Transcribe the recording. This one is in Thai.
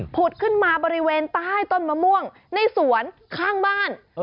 ผุดขึ้นมาบริเวณใต้ต้นมะม่วงในสวนข้างบ้าน